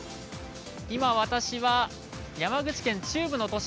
今、私は山口県中部の都市